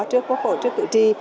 trước quốc hội trước cử tri